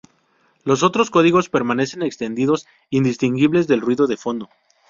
Los otros códigos permanecen extendidos, indistinguibles del ruido de fondo.